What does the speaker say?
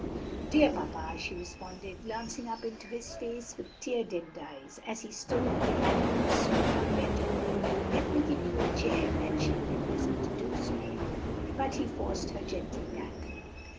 "Dear papa!" she responded, glancing up into his face with tear dimmed eyes, as he stood at the back of her sofa, bending over her. "Let me give you a chair," and she would have risen to do so, but he forced her gently back.